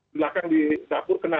belakang di japur kena